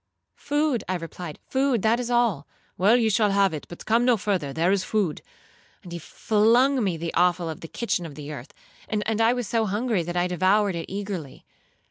'—'Food,' I replied; 'food;—that is all.'—'Well, you shall have it—but come no further—there is food.' And he flung me the offal of the kitchen on the earth; and I was so hungry, that I devoured it eagerly.